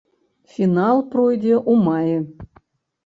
Фінал пройдзе ў маі.